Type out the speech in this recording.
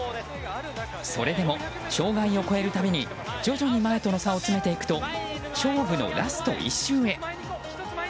それでも障害を越えるたびに徐々に前との差を詰めていくと勝負のラスト１周へ。